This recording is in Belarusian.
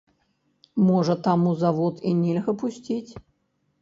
Можа, таму завод і нельга пусціць?